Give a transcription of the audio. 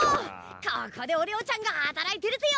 ここでお龍ちゃんがはたらいてるぜよ！